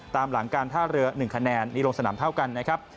ตามหลังการท่าเรือ๑คะแนนนี่ลงสนามเท่ากันนะครับ